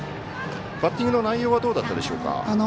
バッティングの内容はどうだったでしょうか？